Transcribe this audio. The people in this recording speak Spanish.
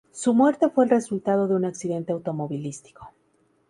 Su muerte fue el resultado de un accidente automovilístico.